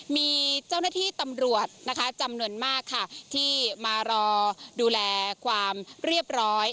มีเจ้าหน้าที่ตำรวจนะคะจำนวนมากค่ะที่มารอดูแลความเรียบร้อย